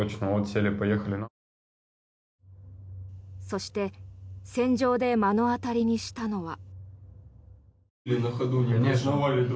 そして戦場で目の当たりにしたのは。